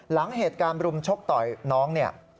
หลังเหตุการณ์บริมชกต่อน้อง